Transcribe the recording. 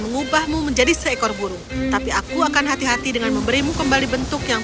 mengubahmu menjadi seekor burung tapi aku akan hati hati dengan memberimu kembali bentuk yang